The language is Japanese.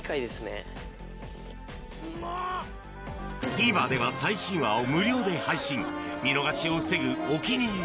ＴＶｅｒでは最新話を無料で配信見逃しを防ぐ「お気に入り」